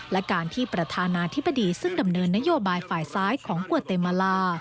และการที่ประธานาธิบดีซึ่งดำเนินนโยบายฝ่ายซ้ายของกวเตมาลา